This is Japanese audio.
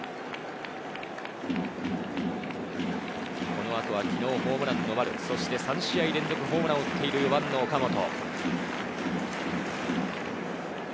この後は昨日ホームランの丸、そして３試合連続ホームランを打っている４番の岡本。